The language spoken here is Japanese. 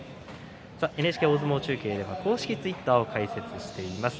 ＮＨＫ大相撲中継では公式ツイッターを開設しています。